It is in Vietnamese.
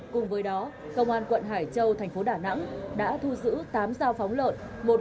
cùng với đó công an quận hải châu thành phố đà nẵng đã thu giữ tám giao phóng lợn